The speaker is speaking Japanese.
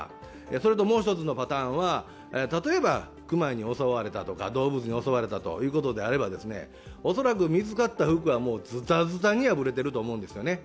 それともう一つのパターンは例えば熊に襲われたとか、動物に襲われたということであれば恐らく、見つかった服はズタズタに破れてると思うんですね。